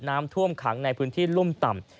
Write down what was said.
น้ำท่วมขังในพื้นที่รุ่มต่ำ